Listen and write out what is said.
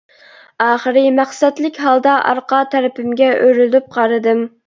ئاخىرى، مەقسەتلىك ھالدا ئارقا تەرىپىمگە ئۆرۈلۈپ قارىدىم.